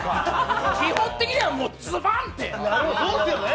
基本的にはズバン！って。